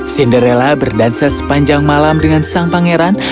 cinderella berdansa sepanjang malam dengan sang pangeran